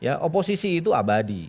ya oposisi itu abadi